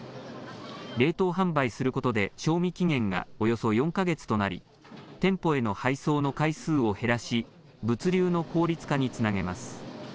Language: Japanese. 冷凍販売することで、賞味期限がおよそ４か月となり、店舗への配送の回数を減らし、物流の効率化につなげます。